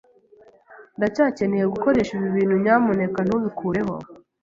Ndacyakeneye gukoresha ibi bintu, nyamuneka ntubikureho.